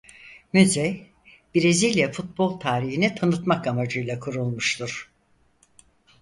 Müze Brezilya futbol tarihini tanıtmak amacıyla kurulmuştur.